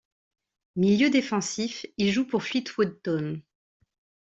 Milieu défensif, il joue pour Fleetwood Town.